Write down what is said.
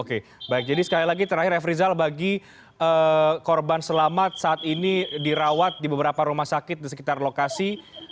oke baik jadi sekali lagi terakhir f rizal bagi korban selamat saat ini dirawat di beberapa rumah sakit di sekitar lokasi